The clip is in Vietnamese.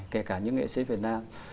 kể cả những nghệ sĩ việt nam